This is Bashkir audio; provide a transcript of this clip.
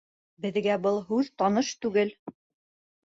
Беҙгә был һүҙ таныш түгел.